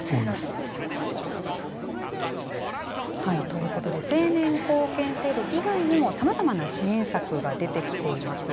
ということで成年後見制度以外にもさまざまな支援策が出てきています。